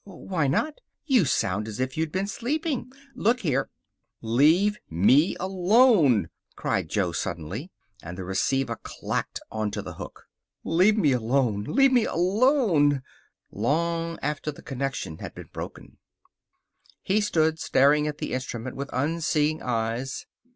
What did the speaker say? "Why not? You sound as if you'd been sleeping. Look here " "Leave me alone!" cried Jo, suddenly, and the receiver clacked onto the hook. "Leave me alone. Leave me alone." Long after the connection had been broken. He stood staring at the instrument with unseeing eyes.